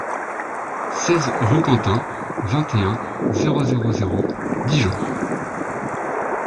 seize rue Quentin, vingt et un, zéro zéro zéro, Dijon